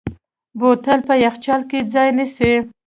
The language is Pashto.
بوتل په یخچال کې ځای نیسي.